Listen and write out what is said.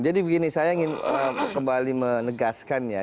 jadi begini saya ingin kembali menegaskan ya